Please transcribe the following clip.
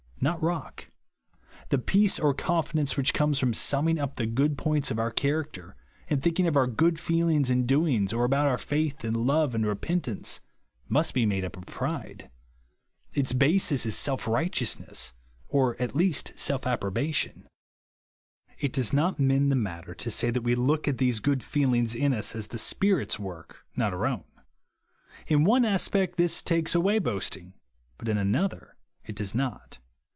i.ot rock. The peace or confidence NO GROUND OF PEACE. 23 whicli come from summing up tlio good points of our character, and thinking of our good feelings and doings, or about our faith, and love, and repentance, must be made up of pride. Its basis is self righteousness, or at least self approbation. It does not mend the matter to say that we look at these good feelings in us, as the Spirit's work, not our own. In one aspect this takes away boasting, but in another it does not.